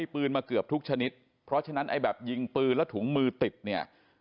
ปืนมาเกือบทุกชนิดเพราะฉะนั้นไอ้แบบยิงปืนแล้วถุงมือติดเนี่ย